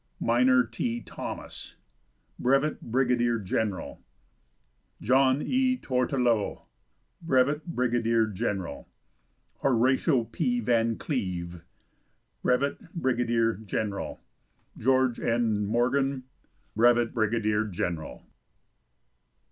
Minor T. Thomas, Brevet Brigadier General. John E. Tourtellotte, Brevet Brigadier General. Horatio P. Van Cleve, Brevet Brigadier General. George N. Morgan, Brevet Brigadier General.